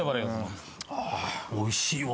あおいしいわ。